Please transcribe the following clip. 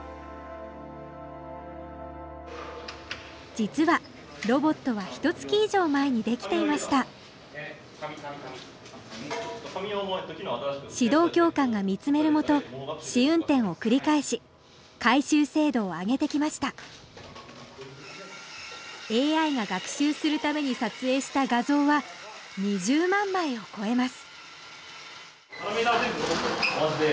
実はロボットはひと月以上前にできていました指導教官が見つめるもと試運転を繰り返し回収精度を上げてきましたＡＩが学習するために撮影した画像は２０万枚を超えます